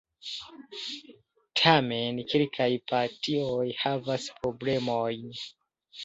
Tamen kelkaj partioj havas problemojn.